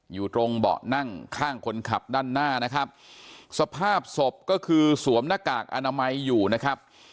อยู่ตรงเบาะนั่งข้างคนขับด้านหน้านะครับสภาพศพก็คือสวมหน้ากากอนามัยอยู่นะครับ